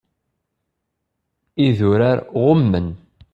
Idurar ɣummen.